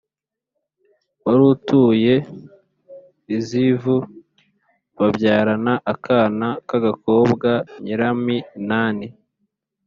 wari utuye i zivu babyarana akana k’agakobwa nyiraminani